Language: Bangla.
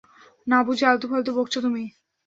না বুঝে আলতু-ফালতু বকছ তুমি।